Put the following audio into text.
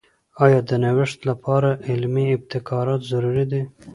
آیا د نوښت لپاره علمي ابتکارات ضروري دي؟